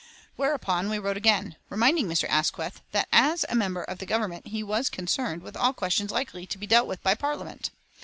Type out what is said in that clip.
Whereupon we wrote again, reminding Mr. Asquith that as a member of the Government he was concerned with all questions likely to be dealt with by Parliament.